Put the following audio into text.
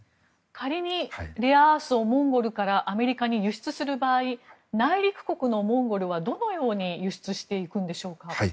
仮にレアアースをモンゴルからアメリカに輸出する場合内陸国のモンゴルはどのように輸出していくんでしょうか。